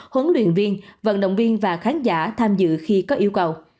huấn luyện viên vận động viên và khán giả tham dự khi có yêu cầu